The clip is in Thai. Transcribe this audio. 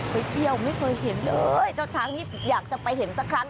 ไปเที่ยวไม่เคยเห็นเลยเจ้าช้างนี้อยากจะไปเห็นสักครั้ง